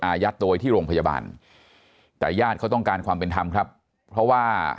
อายัดตัวไว้ที่โรงพยาบาลแต่ญาติเขาต้องการความเป็นธรรมครับเพราะว่า